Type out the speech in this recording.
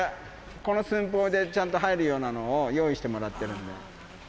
この寸法でちゃんと入るようなのを用意してもらってるんで。